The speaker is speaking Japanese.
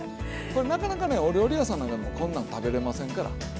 これなかなかねお料理屋さんなんかでもこんなん食べれませんから。